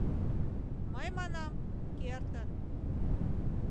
— Мый манам: кертыт...